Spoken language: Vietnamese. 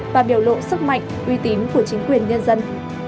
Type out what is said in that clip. và biểu lộ sức mạnh uy tín của chính quyền nhân dân